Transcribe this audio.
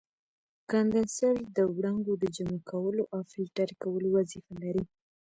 کاندنسر د وړانګو د جمع کولو او فلټر کولو وظیفه لري.